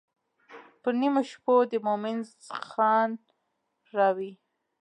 پر نیمو شپو دې مومن خان راوی.